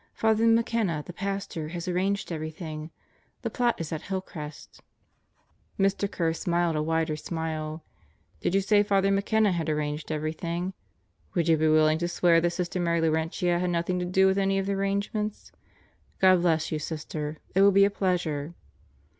Father McKenna, the pastor, has arranged everything. The plot is at Hill Crest." Mr. Kerr smiled a wider smile. "Did you say Father McKenna had arranged everything? Would you be willing to swear that Sister Mary Laurentia had nothing to do with any of the arrange ments? God bless you, Sister. It will be a pleasure."